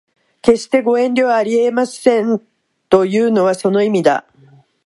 決してご遠慮はありませんというのはその意味だ